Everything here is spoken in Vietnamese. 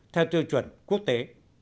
theo tiêu chuẩn quốc tế